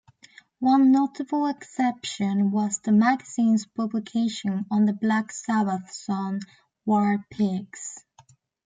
One notable exception was the magazine's publication of the Black Sabbath song "War Pigs".